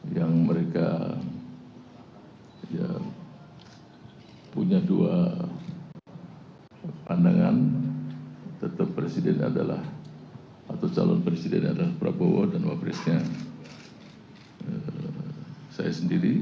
yang mereka punya dua pandangan tetap presiden adalah atau calon presidennya adalah prabowo dan wapresnya saya sendiri